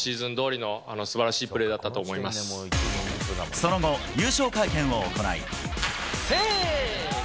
その後、優勝会見を行い。